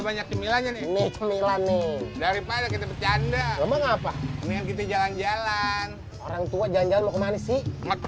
banyak cemilan dari pada kita bercanda ngapa ngapa orang tua jangan jangan kemana sih